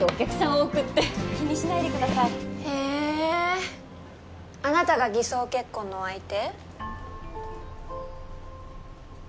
多くって気にしないでくださいへえあなたが偽装結婚の相手？